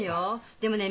でもねえ